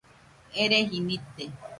Ereji nite